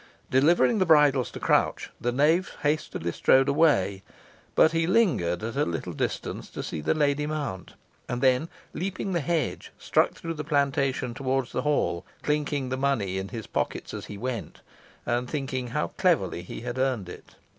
Delivering the bridles to Crouch, the knave hastily strode away, but he lingered at a little distance to see the lady mount; and then leaping the hedge, struck through the plantation towards the hall, chinking the money in his pockets as he went, and thinking how cleverly he had earned it.